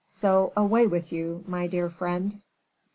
So, away with you, my dear friend."